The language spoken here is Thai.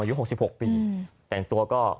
อายุ๖๖ปีแต่งตัวก็